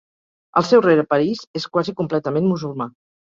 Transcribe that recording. El seu rerepaís és quasi completament musulmà.